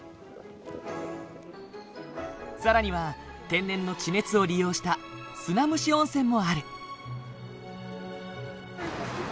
更には天然の地熱を利用した砂蒸し温泉もある。